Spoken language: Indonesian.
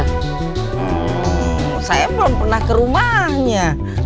saya belum pernah ke rumahnya